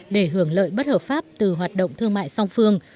để hưởng lợi bất hợp pháp từ hoạt động thương mại song phương